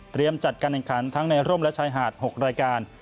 เตรียมจัดการกันขันทั้งในร่มและชายหาด๖รายการ